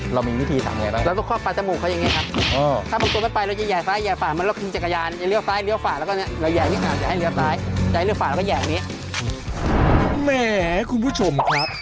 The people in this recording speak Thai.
เรามีวิธีทำได้มั้ยครับอะแมรกคะครับ